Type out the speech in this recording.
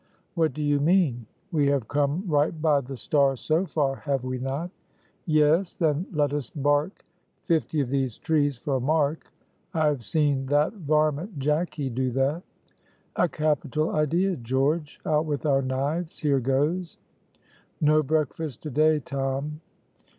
"What do you mean?" "We have come right by the star so far, have we not?" "Yes." "Then let us bark fifty of these trees for a mark. I have seen that varmint Jacky do that." "A capital idea, George; out with our knives here goes." "No breakfast to day, Tom."